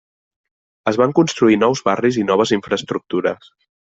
Es van construir nous barris i noves infraestructures.